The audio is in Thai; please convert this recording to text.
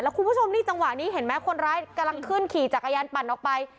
คุณผู้ชมนี่จังหวะนี้เห็นไหมคนร้ายกำลังขึ้นขี่จักรยานปั่นออกไป